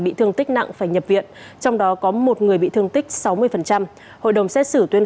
bị thương tích nặng phải nhập viện trong đó có một người bị thương tích sáu mươi hội đồng xét xử tuyên